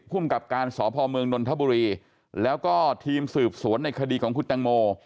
ภูมิกับการสพเมืองนนทบุรีแล้วก็ทีมสืบสวนในคดีของคุณตังโม